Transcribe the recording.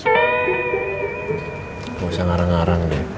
gak usah ngarang ngarang deh